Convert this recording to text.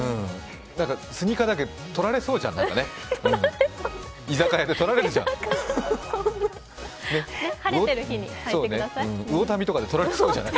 スニーカーだからとられそうじゃない、居酒屋でとられるじゃない。